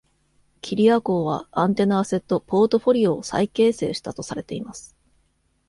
キリアコウは、アンテナアセットポートフォリオを再形成したとされています。